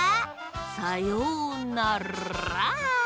さようなら！